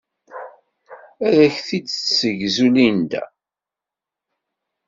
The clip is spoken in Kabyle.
Ad ak-t-id-tessegzu Linda.